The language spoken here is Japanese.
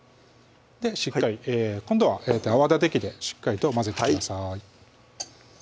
しっかり今度は泡立て器でしっかりと混ぜてください